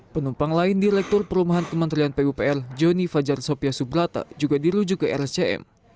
penumpang lain direktur perumahan kementerian pupr joni fajar sopya subrata juga dirujuk ke rscm